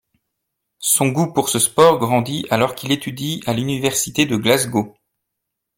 Son goût pour ce sport grandit alors qu'il étudie à l'Université de Glasgow.